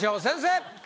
先生！